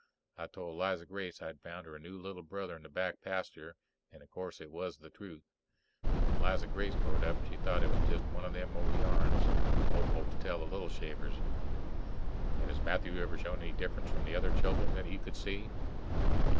I told Liza Grace I'd found her new little brother in the back pasture, and o'course it was the truth. When Liza Grace growed up she thought it was jest one of those yarns old folks tell the little shavers. _And has Matthew ever shown any differences from the other children that you could see?